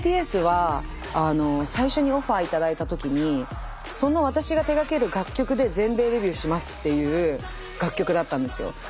ＢＴＳは最初にオファー頂いた時にその私が手がける楽曲で全米デビューしますっていう楽曲だったんですよ。